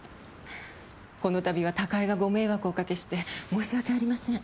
この度は高井がご迷惑をおかけして申し訳ありません。